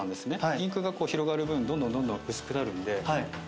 インクが広がる分どんどんどんどん薄くなるんで。